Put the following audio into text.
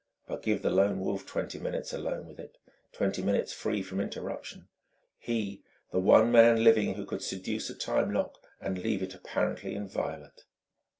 But give the Lone Wolf twenty minutes alone with it, twenty minutes free from interruption he, the one man living who could seduce a time lock and leave it apparently inviolate!...